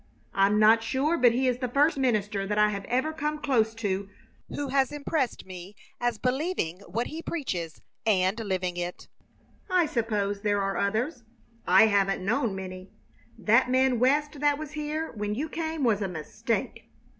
I'm not sure but he is the first minister that I have ever come close to who has impressed me as believing what he preaches, and living it. I suppose there are others. I haven't known many. That man West that was here when you came was a mistake!"